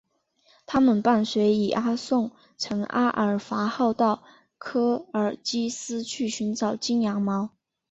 他们伴随伊阿宋乘阿尔戈号到科尔基斯去寻找金羊毛。